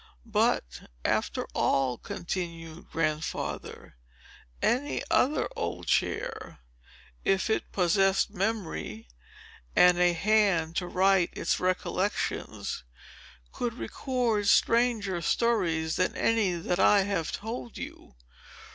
"But, after all," continued Grandfather, "any other old chair, if it possessed memory, and a hand to write its recollections, could record stranger stories than any that I have told you.